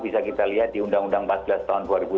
bisa kita lihat di undang undang empat belas tahun